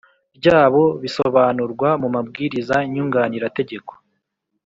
Ryabo bisobanurwa mu mabwiriza nyunganirategeko